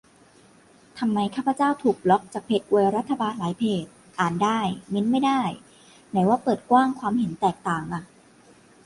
ทำไมข้าพเจ้าถูกบล็อคจากเพจอวยรัฐบาลหลายเพจ อ่านได้ เมนต์ไม่ได้ ไหนว่าเปิดกว้างความเห็นแตกต่างอะ